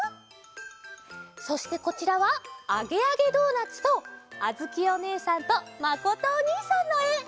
そしてこちらは「あげあげドーナツ」とあづきおねえさんとまことおにいさんのえ！